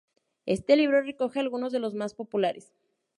Éste libro recoge algunos de los más populares.